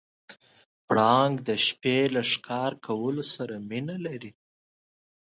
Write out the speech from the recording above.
پړانګ د شپې له ښکار کولو سره مینه لري.